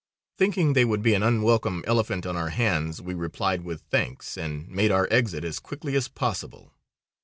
Thinking they would be an unwelcome elephant on our hands we replied with thanks, and made our exit as quickly as possible.